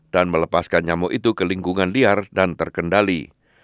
dan melepaskan nyamuk itu ke lingkungan liar dan terkendali